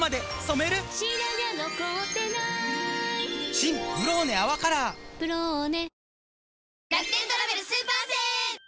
新「ブローネ泡カラー」「ブローネ」